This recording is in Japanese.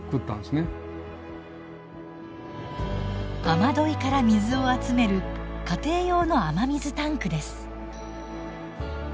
雨どいから水を集める家庭用の雨水タンクです。